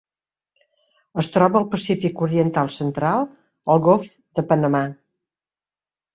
Es troba al Pacífic oriental central: el Golf de Panamà.